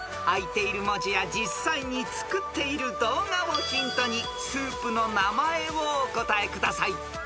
［開いている文字や実際に作っている動画をヒントにスープの名前をお答えください］